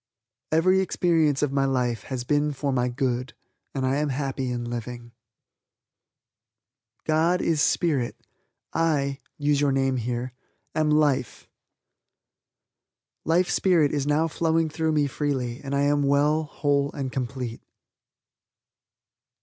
Every experience of my life has been for my good and I am happy in living. God is Spirit. I (use your own name) am life. Life Spirit is now flowing through me freely and I am well, whole and complete.